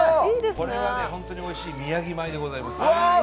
これは本当においしい宮城米でございます。